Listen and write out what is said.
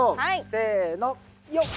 せのよっ。